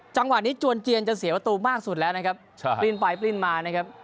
จังหวะนี้จวนเจียนจะเสียประตูมากสุดแล้วนะครับปลิ้นไปปลิ้นมานะครับ